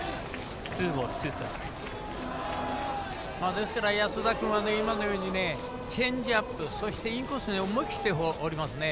ですから、安田君は今のようにチェンジアップそしてインコースに思い切って、放りますね。